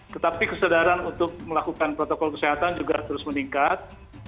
tetapi kesadaran untuk melakukan protokol kesehatan juga terus meningkat